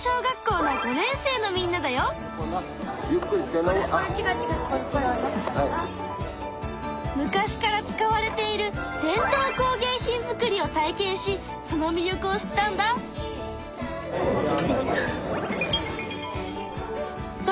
今回の主人公は昔から使われている伝統工芸品作りを体験しその魅力を知ったんだ。